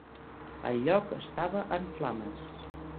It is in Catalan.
El lloc estava en flames.